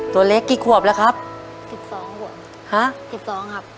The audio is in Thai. ตัวเล็กกี่ขวบแล้วครับสิบสองขวบฮะสิบสองครับ